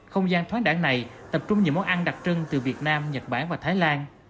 không gian thoáng đảng này tập trung nhiều món ăn đặc trưng từ việt nam nhật bản và thái lan